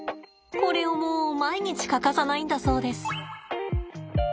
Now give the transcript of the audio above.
これをもう毎日欠かさないんだそうです。